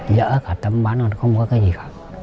giỡn cả tấm bán là không có cái gì khác